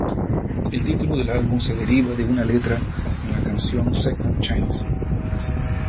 El título del álbum se deriva de una letra en la canción "Second Chance".